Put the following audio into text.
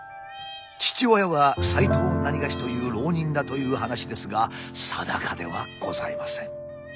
父親は斎藤なにがしという浪人だという話ですが定かではございません。